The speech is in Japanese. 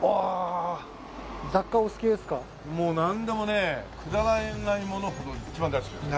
もうなんでもねくだらないものほど一番大好きです。